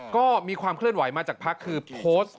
ก็มีความเคลื่อนไหวมาจากภักดิ์คือโพสต์